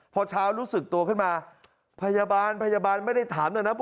พอเช้ารู้สึกตัวขึ้นมาพยาบาลไม่ได้ถามนะนะ